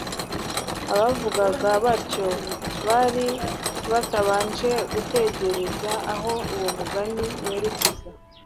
Abavugaga batyo bari batabanje gutekereza aho uwo mugani werekeza,